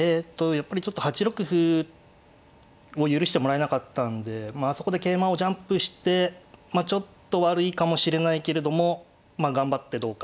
やっぱりちょっと８六歩を許してもらえなかったんでまああそこで桂馬をジャンプしてまあちょっと悪いかもしれないけれども頑張ってどうかだったと思います。